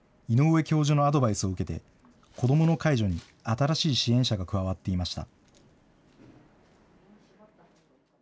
井上教授のアドバイスを受けて、子どもの介助に新しい支援者が加わっていました。